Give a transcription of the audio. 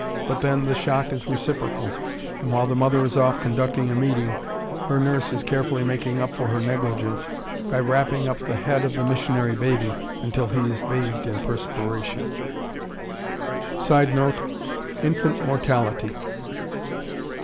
But then, the shock is reciprocal, and, while the mother is off conducting a meeting, her nurse is carefully making up for her negligence by wrapping up the head of the missionary baby until he is bathed in perspiration! [Sidenote: Infant mortality.